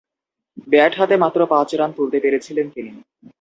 Bat হাতে মাত্র পাঁচ রান তুলতে পেরেছিলেন তিনি।